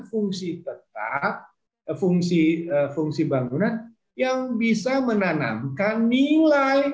fungsi tetap fungsi fungsi bangunan yang bisa menanamkan nilai